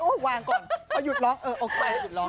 อุ๊ยวางก่อนเอาหยุดร้องเออเอาไปหยุดร้อง